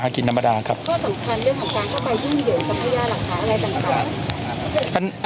ข้อสำคัญเลือกของทางเข้าไปที่มีเดือดกับต้ายระดาษยากแหล่งสาธารประการ